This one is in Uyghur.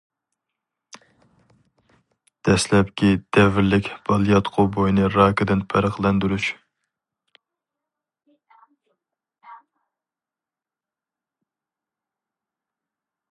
دەسلەپكى دەۋرلىك بالىياتقۇ بوينى راكىدىن پەرقلەندۈرۈش.